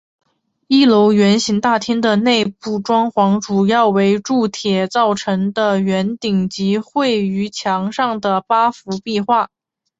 一楼圆形大厅的内部装潢主要为铸铁造成的圆顶及绘于墙上的八幅壁画。